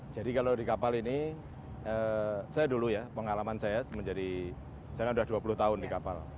jadi kalau di kapal ini saya dulu ya pengalaman saya menjadi saya kan sudah dua puluh tahun di kapal